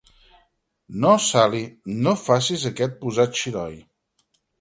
No, Sally, no facis aquest posat xiroi.